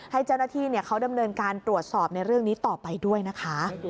ให้เจ้าหน้าที่เขาดำเนินการตรวจสอบในเรื่องนี้ต่อไปด้วยนะคะ